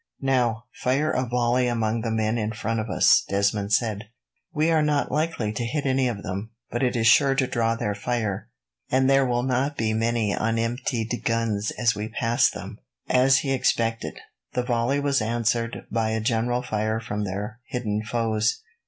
"Now, fire a volley among the men in front of us," Desmond said. "We are not likely to hit any of them, but it is sure to draw their fire, and there will not be many unemptied guns as we pass them." As he expected, the volley was answered by a general fire from their hidden foes.